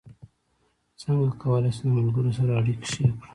څنګه کولی شم د ملګرو سره اړیکې ښې کړم